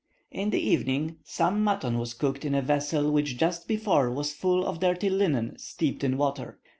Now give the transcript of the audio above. In the evening, some mutton was cooked in a vessel which just before was full of dirty linen steeped in water.